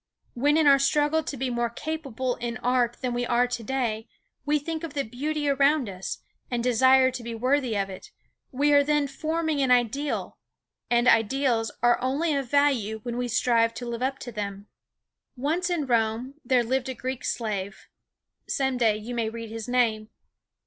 When in our struggle to be more capable in art than we are to day we think of the beauty around us, and desire to be worthy of it, we are then forming an ideal, and ideals are only of value when we strive to live up to them. Once in Rome there lived a Greek slave some day you may read his name.